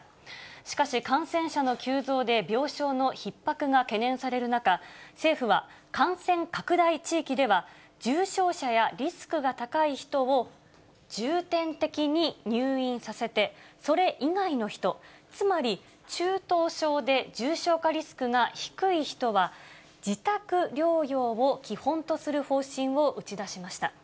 しかし、感染者の急増で病床のひっ迫が懸念される中、政府は感染拡大地域では重症者やリスクが高い人を、重点的に入院させて、それ以外の人、つまり、中等症で重症化リスクが低い人は、自宅療養を基本とする方針を打ち出しました。